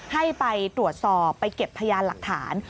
ให้ไปตรวจสอบไปเก็บพยานหลักฐาน